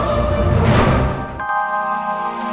mendingan lo diem